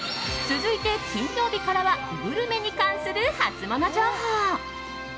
続いて金曜日からはグルメに関するハツモノ情報。